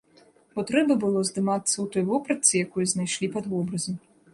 Бо трэба было здымацца ў той вопратцы, якую знайшлі пад вобразы.